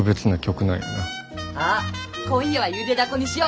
あっ今夜はゆでだこにしよ。